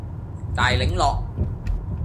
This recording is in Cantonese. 大檸樂